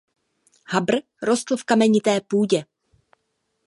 Habr rostl v kamenité půdě.